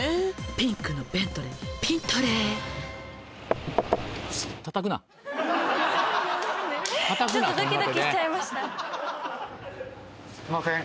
「ピンクのベントレーピントレー」すいません。